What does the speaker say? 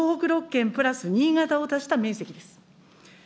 ６県プラス新潟を足した面積です。